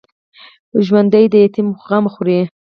ژوندي د یتیم غم خوري